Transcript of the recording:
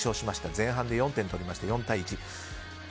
前半で４点取って４対１。